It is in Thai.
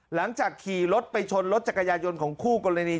หลังจากขี่รถไปชนรถจักรยายนของคู่กรณี